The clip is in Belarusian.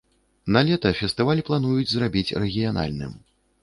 Налета фестываль плануюць зрабіць рэгіянальным.